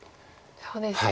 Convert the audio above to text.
そうですよね。